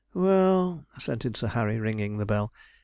'Well,' assented Sir Harry, ringing the bell.